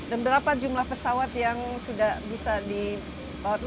dan berapa jumlah pesawat yang sudah bisa dibawa